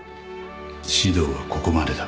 指導はここまでだ